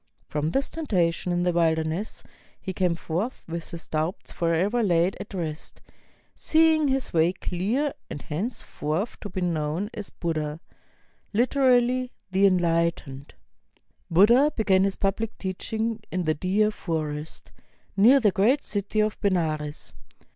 From this temptation in the wilderness he came forth with his doubts forever laid at rest, seeing his way clear, and henceforth to be known as Buddha, HteraUy "The EnHghtened." Buddha began his public teaching in the Deer Forest, near the great city of Benares.